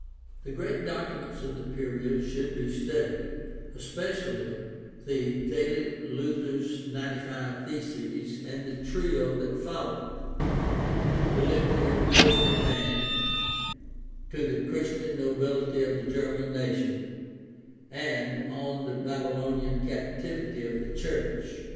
The great documents of the period should be studied, espe THE PROTESTANT REFORMATION 367 daily Luther's Ninety five Theses and the trio that followed, The Liberty of a Christian Man, To the Christian Nobility of the German Nation, and On the Babylonian Captivity of the Church.